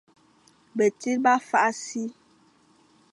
Betsir ba fakh si.